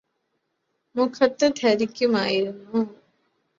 മുഖത്ത് ധരിക്കുമായിരുന്നു